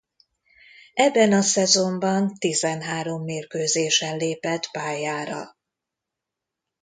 Ebben a szezonban tizenhárom mérkőzésen lépett pályára.